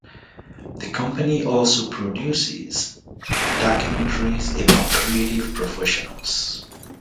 The company also produces documentaries about creative professionals.